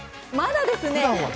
まだですね。